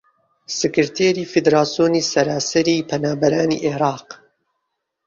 سکرتێری فیدراسیۆنی سەراسەریی پەنابەرانی عێراق